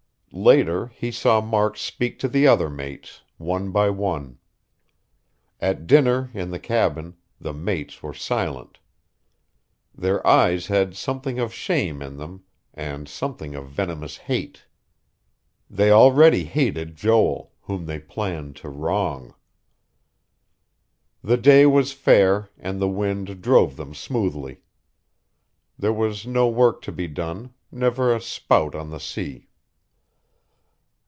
Later he saw Mark speak to the other mates, one by one. At dinner in the cabin, the mates were silent. Their eyes had something of shame in them, and something of venomous hate.... They already hated Joel, whom they planned to wrong.... The day was fair, and the wind drove them smoothly. There was no work to be done, never a spout on the sea.